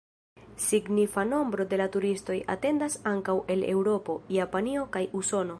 Signifa nombro de la turistoj atendas ankaŭ el Eŭropo, Japanio kaj Usono.